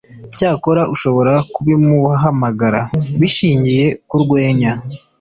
cyakora ushobora kubimuhamagara, bishingiye ku rwenya